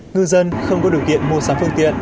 ngư dân không có điều kiện mua sắm phương tiện